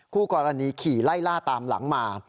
คู่กรณีขี่ไล่ล่าตามหลังมา